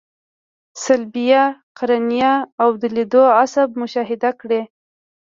صلبیه، قرنیه او د لیدلو عصب مشاهده کړئ.